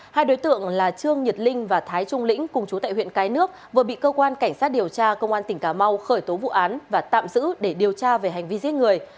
hai đối tượng là trương nhật linh và thái trung lĩnh cùng chú tại huyện cái nước vừa bị cơ quan cảnh sát điều tra công an tỉnh cà mau khởi tố vụ án và tạm giữ để điều tra về hành vi giết người